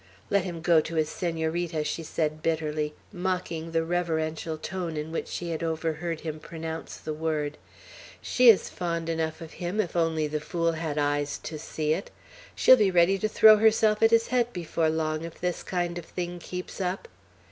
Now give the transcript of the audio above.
"Let him go to his Senorita," she said bitterly, mocking the reverential tone in which she had overheard him pronounce the word. "She is fond enough of him, if only the fool had eyes to see it. She'll be ready to throw herself at his head before long, if this kind of thing keeps up.